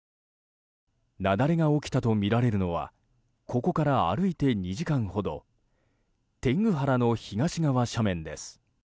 雪崩が起きたとみられるのはここから歩いて２時間ほど天狗原の東側斜面です。